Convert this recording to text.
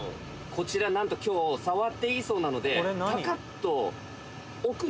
こちら何と今日触っていいそうなので。